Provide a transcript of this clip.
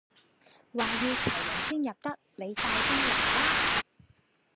話要齊人先入得，你快 D 來啦